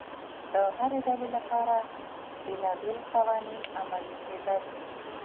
د هرې ډلې لپاره بېلابېل قوانین عملي کېدل